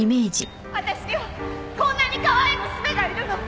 私にはこんなに可愛い娘がいるの！